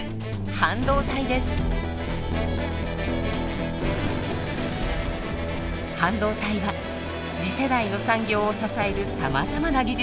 半導体は次世代の産業を支えるさまざまな技術に活用されています。